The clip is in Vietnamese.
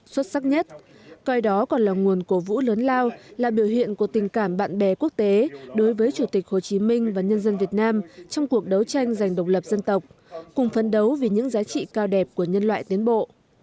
xuất sắc nhất coi đó còn là nguồn cổ vũ lớn lao là biểu hiện của tình cảm bạn bè quốc tế đối với chủ tịch hồ chí minh và nhân dân việt nam trong cuộc đấu tranh giành độc lập dân tộc cùng phấn đấu vì những giá trị cao đẹp của nhân loại tiến bộ